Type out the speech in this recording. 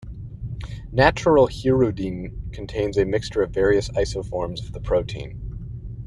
Natural hirudin contains a mixture of various isoforms of the protein.